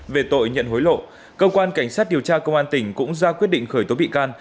về tội nhận hối lộ cơ quan cảnh sát điều tra công an tỉnh cũng ra quyết định khởi tố bị can